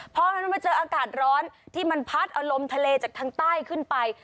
พอมันมาเจออากาศร้อนที่มันพัดเอาลมทะเลจากทางใต้ขึ้นไป